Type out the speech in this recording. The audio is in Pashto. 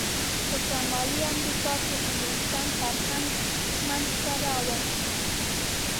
په شمالي امریکا کې انګلسان فرهنګ منځته راوړ.